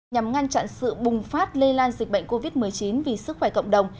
nhằm ngăn chặn sự bùng phát lây lan dịch bệnh covid một mươi chín vì sức khỏe cộng đồng